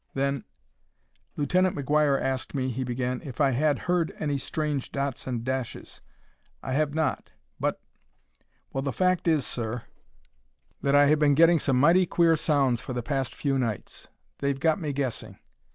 Then "Lieutenant McGuire asked me," he began, "if I had heard any strange dots and dashes. I have not; but ... well, the fact is, sir, that I have been getting some mighty queer sounds for the past few nights. They've got me guessing.